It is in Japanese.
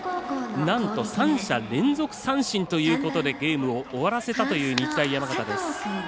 なんと３者連続三振ということでゲームを終わらせたという日大山形です。